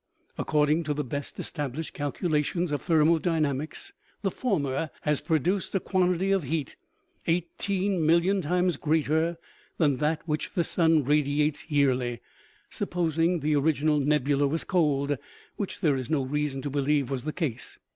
According to the best established calcula tions of thermodynamics, the former has produced a quantity of heat eighteen million times greater than that which the sun radiates yearly, supposing the orig inal nebula was cold, which there is no reason to believe was the case.